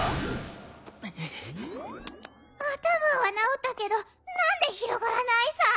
頭は治ったけど何で広がらないさ？